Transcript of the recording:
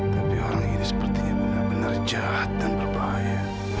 tapi orang ini sepertinya benar benar jahat dan berbahaya